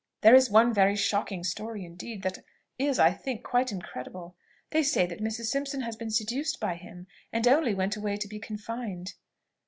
There is one very shocking story indeed, that is, I think, quite incredible. They say that Mrs. Simpson has been seduced by him, and only went away to be confined."